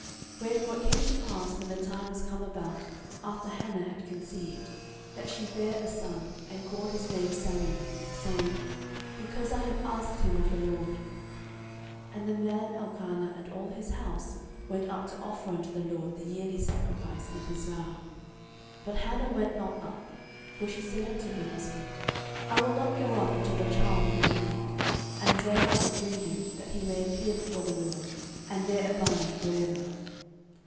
09:001:020 Wherefore it came to pass, when the time was come about after Hannah had conceived, that she bare a son, and called his name Samuel, saying, Because I have asked him of the LORD. 09:001:021 And the man Elkanah, and all his house, went up to offer unto the LORD the yearly sacrifice, and his vow. 09:001:022 But Hannah went not up; for she said unto her husband, I will not go up until the child be weaned, and then I will bring him, that he may appear before the LORD, and there abide for ever.